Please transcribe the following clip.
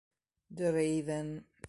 The Raven